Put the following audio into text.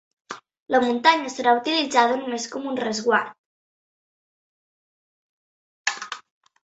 La muntanya serà utilitzada només com un resguard.